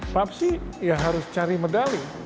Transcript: papsi ya harus cari medali